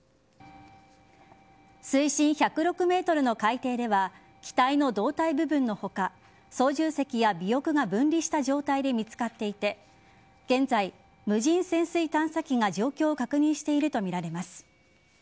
水深１０６ｍの海底では機体の胴体部分の他操縦席や尾翼が分離した状態で見つかっていて現在、無人潜水探査機が状況を確認しているとみられています。